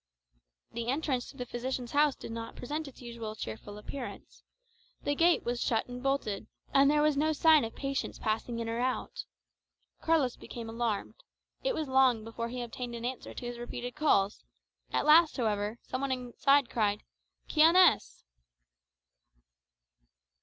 The entrance to the physician's house did not present its usual cheerful appearance. The gate was shut and bolted, and there was no sign of patients passing in or out Carlos became alarmed. It was long before he obtained an answer to his repeated calls. At last, however, some one inside cried, "Quien es?"[#] [#] Who is there?